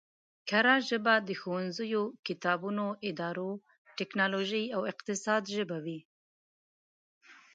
کره ژبه د ښوونځیو، کتابونو، ادارو، ټکنولوژۍ او اقتصاد ژبه وي